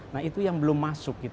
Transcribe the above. nah itu yang belum masuk